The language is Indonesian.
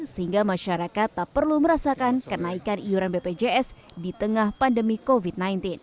sehingga masyarakat tak perlu merasakan kenaikan iuran bpjs di tengah pandemi covid sembilan belas